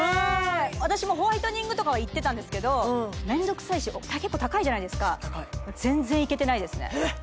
私もホワイトニングとかは行ってたんですけどめんどくさいし結構高いじゃないですか全然行けてないですねえっ！？